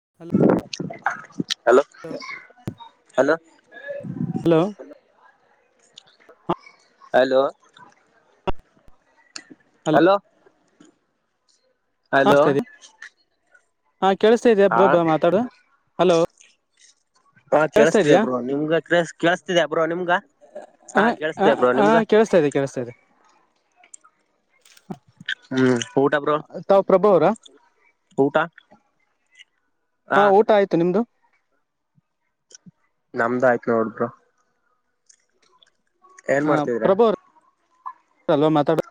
[inaudible] [inaudible] Hello hello hello hello hello ಹಾಂ ಕೇಳಿಸ್ತಾ ಇದ್ಯಾ ಹಾ ಬ್ರೊಬ್ಬ ಮಾತಾಡು ಹಲೋ. ಹಾ ಕೇಳಿಸ್ತಾ ಕೇಳಸ್ತಿದೆ ಇದಯಾ ಬ್ರೋ ನಿಮ್ಗ ಕೆಳ್ ಕೇಳಿಸಸ್ತಿದ್ಯ ಬ್ರೊ ನಿಮ್ಗ. ಹ ಹಾ ಹ ಕೇಳಿಸ್ತಿದೆ ಬ್ರೋ ಹ ನಿಮ್ಗ ಕೇೇಳಸ್ತಾ ಇದೆ ಕೇೇಳಸ್ತಾ ಇದೆ ಹ್ಮ್ ಊಟ ಬ್ರೋ ತಾಾವ್ ಪ್ರಭಾ ಅವ್ರ ಊಟ ಹಾ ಊಟ ಆಯ್ತು ನಿಮ್ದು ನಮ್ದ ಆಯ್ತ ನೋಡು ಬ್ರೊ. ಹ ಮಾಡ್ತಿದೀರಾ ಪ್ರಭೋ ಅಲ್ವಾ ಮಾತಾಡೊ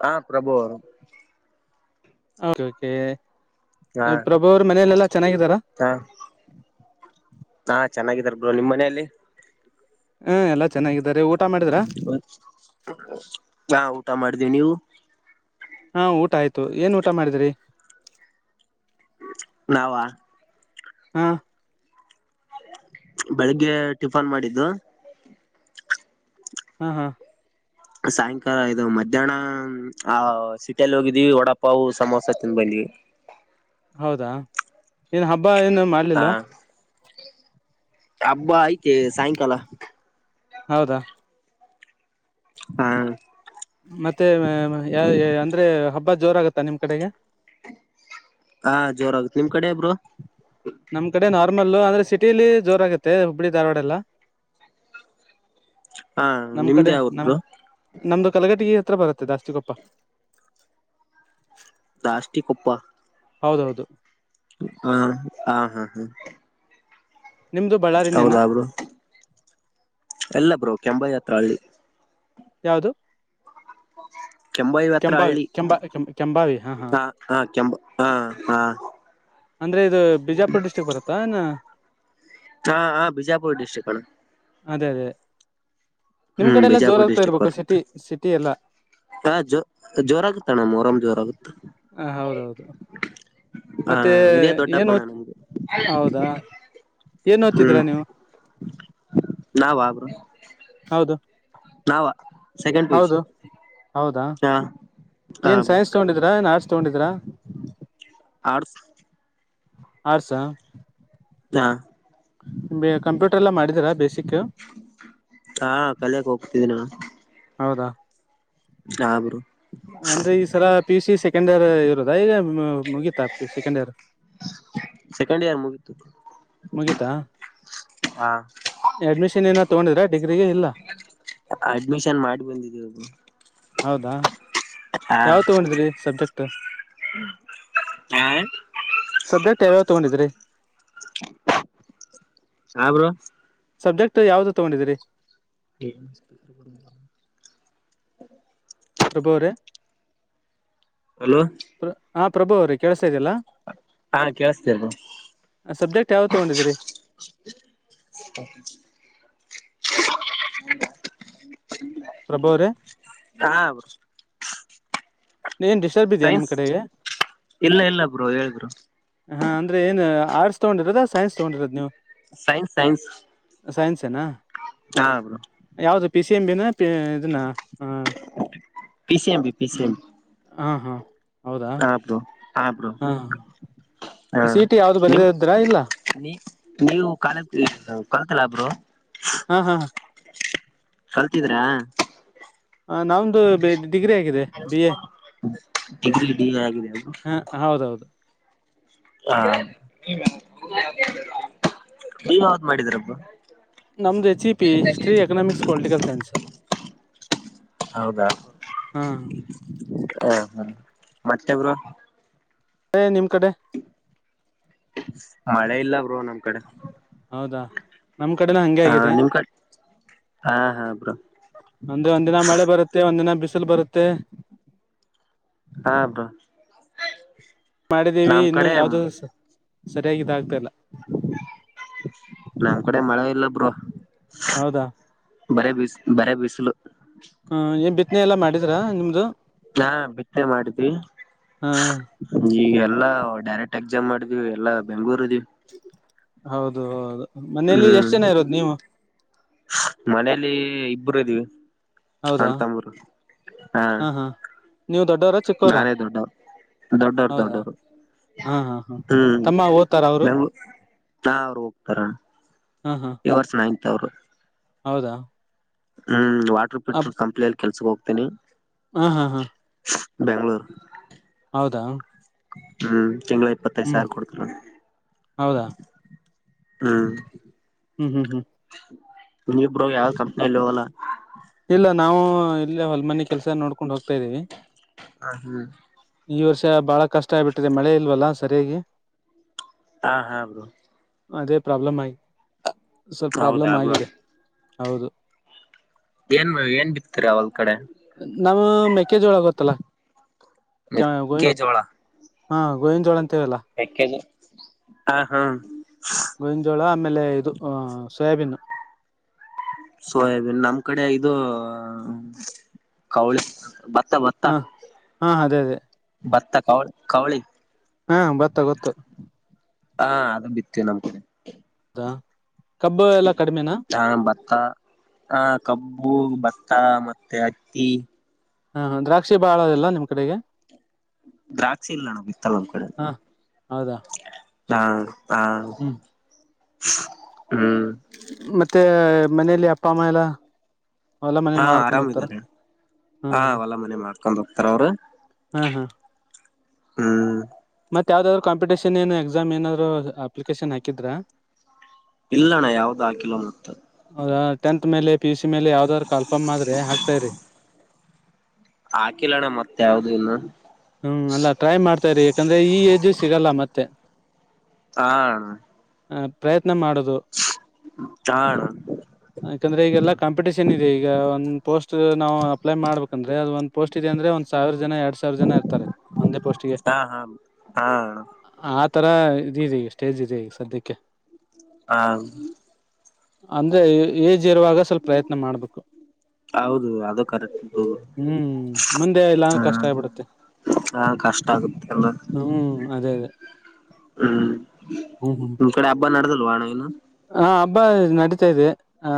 ಹಾ ಪ್ರಭು. ಒಕೆ ಹಾ ಪ್ರಭು ಅವರು ಮನೆಯಲೆಲ್ಲಾ ಚೆನ್ನಾಗಿದ್ದಾರಾ. ಹಾ ಹಾ ಚೆನ್ನಾಗಿದಾರೆ ಬ್ರೊ ನಿಮ್ಮ ಮನೆಯಲ್ಲಿ. ಹ್ಮ ಎಲ್ಲಾ ಚೆನ್ನಾಗಿದ್ದಾರೆ ಒಟ್ಟ್ [unintelligible] ನಾ ಊಟ ಮಾಡಿದೀವಿ ನೀವು. ಹಾ ಊಟ ಆಯ್ತು ಏನ್ ಊಟ ಮಾಡಿದ್ರಿ. ನಾವ ಹಾ ಬೆಳಿಗ್ಗೆ ಟಿಫಾನ್ ಮಾಡಿದ್ದು ಹಾ ಹಾ ಸಾಯಂಕಾಲ ಇದು ಮಧ್ಯಾಹ್ನ ಆ ಸಿಟಿಯಲ್ಲಿ ಹೋಗಿದೀವಿ ವಡಪ್ಪವು ಸಮೋಸ ತಿನ್ಬಲ್ಲಿಿ ಹೌದಾ ಏನ್ ಹಬ್ಬ ಏನು ಮಾಡ್ಲಿಲ್ವಾ ಹಬ್ಬಾ ಐ್ತೆ ಸಾಯಂಕಾಲ ಹೌದಾ ಹಾ ಮತ್ತೆ ಯ ಅಂದ್ರೆ ಹಬ್ಬ ಜೋರಗತ್ತಾ ನಿಮ್ ಕಡೆಗೆ ಹಾ ಜೋರ ಆಗುತ್ತೆ ನಿಮ್ ಕಡೆ ಇಬ್ರು ನಮ್ ಕಡೆ ನಾರ್ಮಲ್ಲ ಅಂದ್ರೆ ಸಿಟಿಲಿ ಜೋರಾಗತ್ತೆ ಹುಬ್ಳಿ ಧಾರವಾಡ ಎಲ್ಲ ಹಾ ನಮ್ ಕಡೆ ನಿಮ್ದೇ ಯಾವೂರ್ ನಮ ಬ್ರೋ ನಮ್ದು ಕಲಗಟಿಗೆ ಹತ್ರ ಬರುತ್ತೆ ಜಾಸ್ತಿ ಚಚ್ಚು ಕೊಪ್ಪ ದಾಸ್ಟಿ ಕೊಪ್ಪ ಹೌದೌದು ಹಾ ಹಾ ಹಾ ಹಾ ನಿಮ್ದು ಬಳ್ಳಾರಿನ್ಯೇನಾ ಹೌದಾ ಬ್ರೋ ಎಲ್ಲ ಬ್ರೋ ಕೆಂಬ ಜಾತ್ರ ಹಳ್ಳಿ ಯಾವದು ಹ ಕೆಂಬಾಯವ ಅತ್ರ ಹಳ್ಳಿ ಕೆಂ ಕೆಂಬಾವಿ ಹಾ ಹ ಹಾ ಕೆ ಹಾ ಹಾ ಅಂದ್ರೆ ಇದು ಬಿಜಾಪುರ್ ಡಿಸ್ಟ್ರಿಕ್ ಬರುತ್ತಾ ಇನ್ನ ಹಾ ಹಾ ಬಿಜಾಪುರ ಡಿಸ್ಟ್ರಿಕ್ಣ ಅದೇ ಅದೇ ನಿಮ್ ಕಡೆ ಎಲ್ಲ ಬಿಜಾಪುರ್ ಜೋರಾಗ್ತಾ ಡಿಸ್ಟ್ರಿಕ್ ಇರ್ಬೇಕು ಬರುತ್ತೆ ಸಿಟಿ ಸಿಟಿ ಎಲ್ಲ ಜೋರ ಆಗುತ್ತ ಅಣ್ಣ್ ಮರಮ್ ಜೋರ ಆಗುತ್ತ ಹ ಹೌದೌದು ಮತ್ತೆ ಏನು ಹೌದಾ ಏನ್ ಓದ್ತಿದೀರಾ ನೀವು ನಾ ಬಬರು ಹೌದು ನಾವ ಸೆಕೆಂಡ್ ಹೌದು ಪೊಸಿಷನ್ ಹೌದಾ ಏನು ಬ್ರೋ ಸೈನ್ಸ್ ತೊಗೊಂಡಿದೀರಾ ಏನು ಆರ್ಟ್ಸ್ ತಗೊಂಡಿದ್ದೀರಾ ಆ ಆಸ ಹಾ ಕಂಪ್ಯೂಟರ್ ಎಲ್ಲ ಮಾಡಿದ್ರ ಬೇಸಿಕ್ ಹಾ ಕಲಿಯಕ್ ಹೋಗ್ತಿದ್ದ ನಾನು ಹೌದಾ ಅಂದ್ರೆ ಈ ಸರ ಪಿು ಸಿ ಸೆಕೆಂಡ್ ಇಯರ್ ಇರೋದ ಈಗ ಮುಗತಾ ಸೆಕೆಂಡ್ ಇಯರ್ ಸೆಕೆಂಡ್ ಇಯರ್ ಮುಗಿತ್ತು ಮುಗಿತಾ ಅಡ್ಮಿಷನ್ ಏನ ತಗೊಂಡಿದ್ರ ಅಡ್ಮಿಷನ್ ಮಾಡಿ ಬಂದಿದೀನಿ ಹೌದಾ ಯಾವ ತಗೊಂಡಿದ್ರಿ ಸಬ್ಜೆಕ್ಟ್ ಹಾ ಸದ್ಯಕ್ಟ್ ಯಾವ್ಯಾವ ತಗೊಂಡಿದ್ರಿ ಯಬ್ರು ಸಬ್ಜೆಕ್ಟ್ ಯಾವ್ದು ತಗೊಂಡಿದೀರಿ ಬ ಪ್ರಭೋರೆ ಹಲೋ ಹಾ ಪ್ರಭು ಅವ್ರಿ ಕೆಳ್ಸಾ ಇದಲ್ಲಾ ಹಾ ಕೇಳಿಸ್ತಿದೆ ಬ್ರೋ ಸಬ್ಜೆಕ್ಟ್ ಯಾವ ತಗೊಂಡಿದಿರಿ [unintelligible] ಪ್ರಭಾವ ಅರೇ ಹಾಂ ಬ್ರೊ ಡಿಸ್ಟರ್ಬ್ ಇದೆಯಾ ನಿಮ್ ಕಡೆಗೆ ಇಲ್ಲ ಇಲ್ಲ ಬ್ರೋ ಹೇಳಿ ಬ್ರೋ ಹಾ ಅಂದ್ರ ಏನ್ ಆರ್ಟ್ಸ್ ತೊಗೊಂಡಿರದಾ ಸೈನ್ಸ್ ತಗೊಂಡಿರೋದ್ ನೀವು ಸೈನ್ಸ್ ಸೈನ್ಸ್ ಸೈನ್ಸ ಏನಾ ಹಾ ಬ್ರೋ ಯಾವ್ದ ಪಿ ಸಿ ಎಂ ಬಿ ನ ಇದನ್ನ ಹ ಪಿ ಸಿ ಎಂ ಹ ಹಾ ಹೌದಾ ಹಾಂ ಬ್ರೊ ಹಾಂ ಬ್ರೋ ಹಾ ಹಾ ಸಿ ಟಿ ಯಾವ್ದು ನಿಮ್ ಬರೆದಿದ್ರಾ ಇಲ್ಲ ನೀ ನೀವು ಕಾಲ [unintelligible] ಬ್ರೊ ಹಾ ಹಾ ಹಾಂ [unintelligible] ಹ ನಮ್ದು ಬೇ ಡಿಗ್ರಿ ಆಗಿದೆ ಬಿ. ಎ ಡಿಗ್ರಿ ಡಿ ಆಗಿದೆ ಬ್ರೋ ಹಾ ಹೌದೌದು ನೀವ ಯಾವದ್ ಮಾಡಿದಿರ ಬ್ರೊ ನಮ್ದು H E P history economics political science ಹೌದಾ ಹಾ ಹಾ ಹಾ ಮತ್ತೆ ಬ್ರೊ ಎ ನಿಮ್ ಕಡೆ ಮಳೆ ಇಲ್ಲ ಬ್ರೋ ನಮ್ ಕಡೆ ಹೌದಾ ನಮ್ ಕಡೆನೂ ಹಂಗೆ ಹಾ ಆಗಿದೆ ನಿಮ್ ಕಡೆ ಹಾ ಹಾ ಬ್ರೋ ಒಂದೆ ಒಂದಿನ ಮಳೆ ಬರುತ್ತೆ ಒಂದಿನ ಬಿಸ್ ಕುತಲ್ ಬರುತ್ತೆ ಹಾ ಬ್ರೊ ಮಾಡಿದ್ದೀವಿ ಇನ್ನು ಯಾವ್ದ ಸರಿಯಾಗಿ ಇದಗ್ತಲ್ಲ ನಮ್ ಕಡೆ ಮಳೆ ಇಲ್ಲ ಬ್ರೊ ಹೌದಾ ಬರೀ ಬಿಸಿಲು ಬರೀ ಬಿಸಿಲು ಹ ಏನ್ ಬಿತ್ತನೆ ಎಲ್ಲಾ ಮಾಡಿದ್ರಾ ನಿಮ್ದು ನಾ ಬಿತ್ನೆ ಮಾಡಿದ್ವಿ ಹ ಈಗ ಎಲ್ಲಾ ಡೈರೆಕ್ಟ್ ಎಕ್ಸಾಮ್ ಮಾಡಿದೀವಿ ಎಲ್ಲಾ ಬೆಂಗ್ಳೂರ್ ಇದೀವಿ ಹೌದು ಮನೇಲಿ ಎಷ್ಟ ಹ್ಮ್ ಜನ ಇರೋದು ನೀವು ಮನೇಲಿ ಇಬ್ಬರು ಇದ್ದೀವಿ ಹೌದಾ ಅಣ್ ತಮ್ಮರು ಹಾ ಹಾ ನೀವು ದೊಡ್ಡವ್ರ ಚಿಕ್ಕವ್ರ ನಾನೇ ದೊಡ್ಡವ ದೊಡ್ಡವರು ದೊಡ್ಡವರು ಹಾ ಹಾ ಹ್ಮ್ ತಮ್ಮ ಓದ್ತಾರ ಅವರು ಬೆಂಗೂಳು ಹಾ ಅವ್ರು ಹೋಗ್ತಾರ ಹಾ ಹಾ ಈ ವರ್ಷ ನಾಯಿತ್ ಅವರು ಹೌದಾ ಹ್ಮ್ ವಾಟರ್ ಫಿಲ್ಟರ್ ಕಂಪ್ನಿಯಲ್ಲಿ ಕೆಲ್ಸಕ್ ಹೋಗ್ತೇನಿ ಹಾ ಹಾ ಹಾ ಬೆಂಗಳೂರು ಹೌದಾ ಹ್ಮ್ ತಿಂಗಳ ಇಪ್ಪತ್ತೈದು ಹ್ಮ್ ಸಾವಿರ ಕೊಡ್ತನಿ ಹೌದಾ ಹ್ಮ್ ಹ್ಮ್ ನಿವ್ ಬ್ರೊ ಯಾವ ಕಂಪ್ನಿಯಲ್ಲಿ ಹೋಗಲ್ಲ ಇಲ್ಲ ನಾವು ಇಲ್ಲ ಹೊಲ್ ಮನಿ ಕೆಲ್ಸ ನೋಡ್ಕೊಂಡ್ ಹೋಗ್ತಾ ಇದ್ದೀವಿ ಹಾ ಹ್ಮ ಈ ವರ್ಷ ಬಾಳ ಕಷ್ಟ ಆಗ್ಬಿಟ್ಟಿದೆ ಮಳೆ ಇಲ್ವಲ್ಲಾ ಸರಿಯಾಗಿ ಹಾ ಹಾ ಬ್ರೊ ಅದೇ ಪ್ರಾಬ್ಲಮ್ ಆಗಿ ಸ್ವಲ್ಪ ಹೌದಾ ಪ್ರಾಬ್ಲಮ್ ಬ್ರೋ ಆಗಿದೆ ಹೌದು ಏನ್ ಏನ್ ಬಿತ್ತರಿ ಅವಾಗ ನಾವ್ ಮೆಕ್ಕೆಜೋಳ ಗೊತ್ತಲ್ಲ ಮೆಕ್ಕೆಜೋಳ ಹಾ ಗೋವಿನ ಜೋಳ ಅಂತೇವಲ್ಲ ಮೇಕೆ ಹಾ ಹಾ ಗೋವಿನಜೋಳ ಆಮೇಲೆ ಇದು ಸೋಯಾಬಿನು ಸೊಯಬಿನ್ ನಮ್ ಕಡೆ ಇದು ಕವಳಿ ಭತ್ತ ಭತ್ತ ಹಾ ಹಾ ಅದೇ ಅದೇ ಕವ ಕವಳಿ ಹಾ ಬತ್ತ ಗೊತ್ತು ಹಾ ಅದು ಬಿತ್ತುವಿ ನಮ್ಮ್ಕಡೆ ಹಾ ಹಾ ಬತ್ತ ಹ ಕಬ್ಬು ಬತ್ತ ಮತ್ತೆ ಅಕ್ಕಿ ಹಾ ದ್ರಾಕ್ಷಿ ಬಾಳ ಅದೆಲ್ಲ ನಿಮ್ ಕಡೆಗೆ ದ್ರಾಕ್ಷಿ ಇಲ್ಲ ಅಣ್ಣ ಬಿತ್ತಲ್ಲ ನಮ್ಮ ಕಡೆ ಹ ಹೌದಾ ಹಾ ಹಾ ಹ್ಮ್ ಹ್ಮ್ ಮತ್ತೆ ಮನಲಿ ಅಪ್ಪ ಅಮ್ಮ ಎಲ್ಲ ಹೋಲ ಮನೆ ಮಾಡ್ಕೊಂಡ್ ಹೋಗ್ತಾರ ಹ್ಮ್ ಹ ಹ್ಮ್ ಹೊಲ ಮನೆ ಮಾಡ್ಕೊಂಡ ಹೋಗ್ತಾರ ಅವರು ಹ್ಮ್ ಹ್ಮ್ ಹ್ಮ್ ಮತ್ತ ಯಾವ್ದಾದ್ರು ಕಾಂಪಟಷನ್ ಏನಾ ಎಕ್ಸಾಮ್ ಏನಾದ್ರು ಅಪ್ಲಿಕೇಶನ್ ಹಾಕಿದ್ರಾ ಇಲ್ಲಣ್ಣ ಯಾವದೂ ಆಕಿಲ ಮತ್ತ ಟೆಂತಮೇಲೆ ಪಿಯುಸಿ ಮೇಲೆ ಯಾವ್ದಾದ್ರು ಕಾಲ್ ಫಾರ್ಮ್ ಆದ್ರೆ ಹಾಕ್ತಾರಿ ಹಾಕಿಲ್ಲಣ್ಣ ಮತ್ತ ಯಾವ್ದ ಇನ್ನು ಹ್ಮ್ ಅಲ್ಲಾ ಟ್ರೈ ಮಾಡ್ತಾರಿ ಯಾಕಂದ್ರೆ ಈ ಏಜ್ ಸಿಗಲ್ಲ ಮತ್ತೆ ಹಾ ಪ್ರಯತ್ನ ಮಾಡುದು ಹ ಅಣ್ಣ ಯಾಕಂದ್ರೆ ಈಗೆಲ್ಲ ಕಂ ಟೇಷನ್ ಇದೆ ಈಗ ಒಂದ್ ಪೋಸ್ಟ್ ನಾವು ಅಪ್ಲೈ ಮಾಡ್ಬೇಕಂದ್ರೆ ಅದು ಒಂದ ಪೋಸ್ಟ್ ಇದೆ ಅಂದ್ರೆ ಒಂದ ಸಾವಿರ ನ ಎರಡ್ ಸಾವಿರ ಜನ ಇರ್ತಾರೆ ಒಂದೇ ಪೋಸ್ಟ್ಗೆ ಹ ಹಾ ಹಾ ಅಣ್ಣ ಆ ತರ ಇಡೀದೇ ಈಗ ಸ್ಟೇಜ್ ಇದ ಈಗ ಸದ್ಯಕ್ಕೆ ಹಾ ಅಂದ್ರೆ ಏಜ್ ಇರುವಾಗ ಸ್ವಲ್ಪ ಪ್ರಯತ್ನ ಮಾಡ್ಬೇಕು ಹೌದು ಅದು ಕರೆಕ್ಟ್ ಹ್ಮ್ ಮುಂದೆ ಇಲ್ಲ ಹ ಅಂದ್ರೆ ಕಷ್ಟ ಆಗ್ಬಿಡತ್ತೆ ಹಾ ಕಷ್ಟ ಆಗುತ್ತೆ ಎಲ್ಲ ಅದೇ ಅದೇ ಹ್ಮ್ ನಿಮ್ ಕಡೆ ಹಬ್ಬ ನಡದಲ್ವಾಣ ಇನ್ನೂ ಹಾ ಹಬ್ಬಾ ನಡೀತಾ ಇದೆ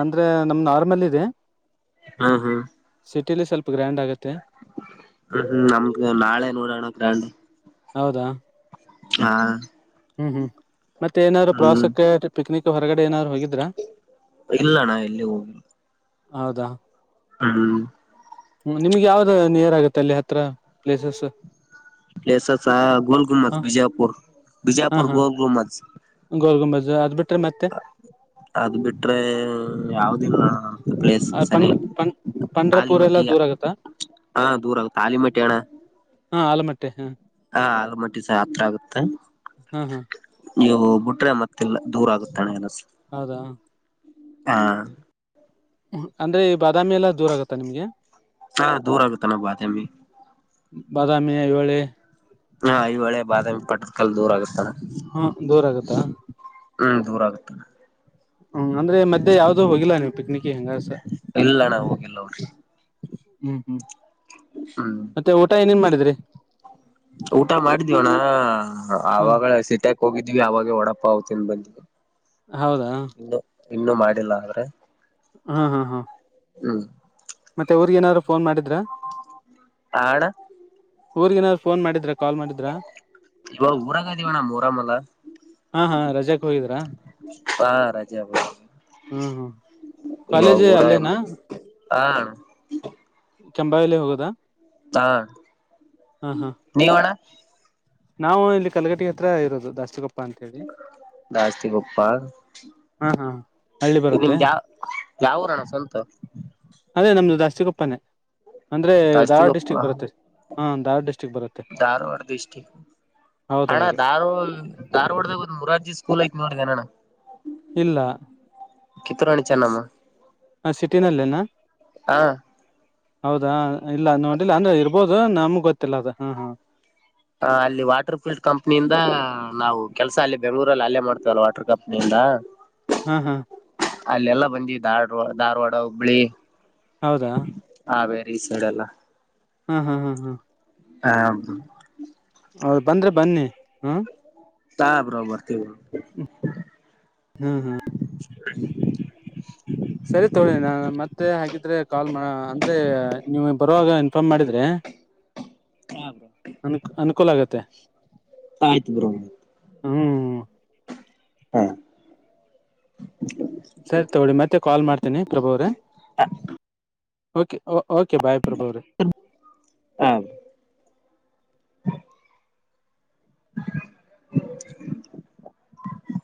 ಅಂದ್ರೆ ನಮ್ ನಾರ್ಮಲ್ ಇದೆ ಹಾ ಹಾ್ ಸಿಟಿಲಿ ಸ್ವಲ್ಪ ಗ್ರ್ಯಾಂಡ್ ಆಗುತ್ತೆ ಹ್ಮ್ ಹ್ಮ್ ನಮ್ದ ನಾಳೆ ನೋಡಣ ಗ್ರಾಂಡ್ ಹೌದಾ ಹ್ಮ್ ಹ್ಮ್ ಮತ್ತೆ ಏನಾದ್ರು ಪ್ರವಾಸಕ್ಕೆ ಪಿಕ್ನಿಕ್ ಹೊರಗಡೆ ಏನಾದ್ರು ಹೋಗಿದ ಇಲ್ಲಣಾ ಎಲ್ಲಿ ಹೋಗಿಲ್ಲ ಹೌದಾ ಹ್ಮ್ ಹ್ಮ ನಿಮ್ಗೆ ಯಾವ್ದ ನಿಯರ್ ಆಗತ್ತೆ ಅಲ್ಲಿ ಹತ್ರ ಪ್ಲೇಸಸ್ ಪ್ಲೇಸಸಾ ಗೋಲಗುಂಬಜ ಹ ಬಿಜಾಪುರ್ ಹಾ ಬಿಜಾಪುರ್ ಹಾ ಗೋಲಗುಂಬಜ ಗೋಲ್ ಗುಂಬಜ್ ಅದ್ ಬಿಟ್ರೆ ಮತ್ತೆ ಅದು ಬಿಟ್ರೆ ಯಾವ್ದಿಲ್ಲ ಪ್ಲೇಸ್ ಪಂಡ ಸನಿ ಪಂ ಪಂಡ್ರಪೂರ್ ಎಲ್ಲಾ ಆಲಮಟ್ಟಿ ದೂರ ಆಗತ್ತಾ ಹಾ ದೂರ ಆಗುತ್ತ ಆಲಮಟ್ಟಿ ಅಣ್ಣ ಹಾ ಆಲಮಟ್ಟೆ ಹಾ ಹಾ ಆಲಮಟ್ಟಿಸ ಹತ್ರ ಆಗುತ್ತೆ ಹಾ ಹಾ ನೀವು ಬಿಟ್ರೆ ಮತ್ತ ದೂರ ಆಗುತ್ತಾನ ಅನಸ ಹೌದಾ ಹಾ ಅಂದ್ರೆ ಈ ಬಾದಾಮಿ ಎಲ್ಲ ದೂರ ಆಗತ್ತಾ ನಿಮ್ಗೆ ಹಾ ದೂರ ಆಗತನ ಅಣ್ಣ ಬಾದಾಮಿ ಬಾದಾಮಿ ಐಹೊಳೆ ಹಾ ಐಹೊಳೆ ಬಾದಾಮಿ ಪಟ್ಟದಕಲ್ಲ ದೂರ ಆಗತಣ್ಣ ಹ ದೂರ ಆಗತ್ತಾ ಹ್ಮ ದೂರ ಆಗುತ್ತಣ್ಣ ಹ್ಮ್ ಅಂದ್ರೆ ಈ ಮಧ್ಯೆ ಯಾವುದು ಹೋಗಿಲ್ಲ ನೀವು ಪಿಕ್ನಿಕ್ ಇಲ್ಲಣಾ ಹೋಗಿಲ ನೋಡ್ರಿ ಹ್ಮ್ ಹ್ಮ್ ಹ್ಮ್ ಮತ್ತೆ ಊಟ ಏನೇನ್ ಮಾಡಿದ್ರಿ ಊಟ ಮಾಡಿದಿವಣ್ಣ ಹಾ ಆವಾಗೆ ಸಿಟ್ಯಾಕ್ ಹೋಗಿದ್ವಿ ಅವಾಗೆ ಒಡಪ್ಪಾವ ತಿಂದ ಬಂದಿವಿ ಹೌದಾ ಇನ್ನು ಮಾಡಿಲ್ಲ ಆದ್ರೆ ಹಾ ಹಾ ಹಾ ಹ್ಮ್ ಮತ್ತೆ ಊರಿಗೆನಾದರು ಫೋನ್ ಮಾಡಿ ಆ ಅಣ್ಣ ಊರಿಗೆನರ ಫೋನ್ ಮಾಡಿದ್ರೆ ಕಾಲ್ ಮಾಡಿದ್ರ ಇವಾಗ ಊರಾಗ ಅದೀವಣ್ಣ ಮೊಹರಂ ಅಲ್ಲ ಹಾ ಹಾ ರಜಕ್ ಹೋಗಿದ್ರಾ ಹಾ ರಜ ಹ್ಮ್ ಹ್ಮ್ ಇವಾಗ ಕಾಲೇಜ್ ಊರ ಅಲ್ಲೇನಾ ಹ ಕೆಂಭಾವಿಲ್ಲೆ ಹೋಗೋದಾ ಹಾ ಹಾ ಹಾ ನೀವ್ ಅಣ್ಣ ನಾವು ಇಲ್ಲಿ ಕಲಗಟಿ ಹತ್ರ ಇರೋದು ದಾಸಗಪ್ಪ ದಾಸ್ತಿಗೊಪ್ಪ ಹಾ ಹಾ ಹಳ್ಳಿ ಬರುತ್ತೆ ನಿಮ್ಮದ ಯಾ ಯಾವ ಊರಣ್ಣ ಸ್ವಂತ ಅದೇ ನಮ್ದು ದಾಸ್ತಿಗೊಪ್ಪನೇ ಅಂದ್ರೆ ಧಾರ್ವಾಡ ದಾಸ್ತಿಗೊಪ್ಪ ಡಿಸ್ಟ್ರಿಕ್ ಬರುತ್ತೆ ಹಾ ಧಾರ್ವಾಡ ಡಿಸ್ಟ್ರಿಕ್ ಬರುತ್ತೆ ಧಾರವಾಡ ಡಿಸ್ಟಿಕ್ ಅಣ್ಣ ಹೌದೌದು ಧಾರ್ವಾ ಧಾರ್ವಾಡ್ದಾಗ ಮುರಾರ್ಜಿ ಸ್ಕೂಲ್ ಐತ್ ನೋಡಿದ್ದೇನ ಅಣ್ಣ ಇಲ್ಲ ಕಿತ್ತು ರಾಣಿ ಚೆನ್ನಮ್ಮ ಸಿಟಿನಲ್ಲೇನಾ ಹಾ ಹೌದಾ ಇಲ್ಲ ನೋಡಿಲ್ಲ ಅಂದ್ರೆ ಇರ್ಬೋದು ನಮ್ಗ್ ಗೊತ್ತಿಲ್ಲ ಅ ಹಾ ಹಾ ಹ ಅಲ್ಲಿ ವಾಟರ್ ಫುಲ್ಡ್ ಕಂಪ್ನಿಯಿಂದ ನಾವು ಕೆಲಸ ಅಲ್ಲಿ ಬೆಂಗ್ಗಳೂರಲ್ಲಿ ಅಲ್ಲೇ ಮಾಡ್ತೇವಲ್ಲ ವಾಟರ್ ಕಂಪ್ನಿಯಿಂದ ಹ್ಮ್ ಹ್ಮ್ ಅಲ್ಲೆಲ್ಲಾ ಬಂದಿವಿ ಧಾರ್ವಾ ಧಾರವಾಡ ಹುಬ್ಬಳಿ ಹೌದಾ ಹಾ ಬೇರೆ ಈ ಸೈಡಲ್ಲ ಹ್ಮ್ ಹ್ಮ್ ಹ್ಮ್ ಹ್ಮ್ ಹಾ ಹೌದು ಬಂದ್ರೆ ಬನ್ನಿ ಹಾ ಆ ಬ್ರೋ ಬರ್ತಿವ ಬ್ರೋ ಹಾ ಹಾ ಹ್ಮ್ ಸರಿ ತೊಳಿ ನಾನ ಮತ್ತೆ ಹಾಗಿದ್ರೆ ಕಾಲ್ ಅಂದ್ರೆ ನೀವು ಬರುವಾಗ ಇನ್ಫಾರ್ಮ್ ಮಾಡಿದ್ರೆ ಬ್ರೋ ಅನು ಅನುಕೂಲ ಆಗತ್ತೆ ಆಯ್ತು ಬ್ರೋ ಹ್ಮ್ ಹಾ ಸರಿ ತಗೊಳ್ಳಿ ಮತ್ತೆ ಕಾಲ್ ಮಾಡ್ತೀನಿ ಪ್ರಭು ಅವರೇ ಓಕೆ ಬಾಯ್ ಪ್ರಭು ಅವ್ರೆ ಹ [inaudible]